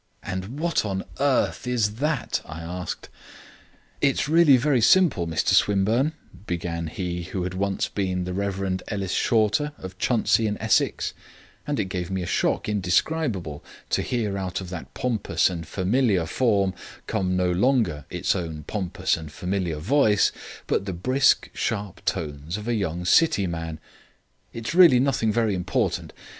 "And what on earth's that?" I asked. "It's really very simple, Mr Swinburne," began he who had once been the Rev. Ellis Shorter, of Chuntsey, in Essex; and it gave me a shock indescribable to hear out of that pompous and familiar form come no longer its own pompous and familiar voice, but the brisk sharp tones of a young city man. "It is really nothing very important.